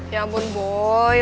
ya ampun boy